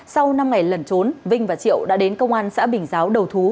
sau năm ngày lẩn trốn vinh và triệu đã đến công an xã bình giáo đầu thú